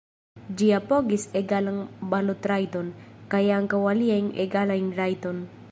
Ĝi apogis egalan balotrajton, kaj ankaŭ aliajn egalajn rajtojn.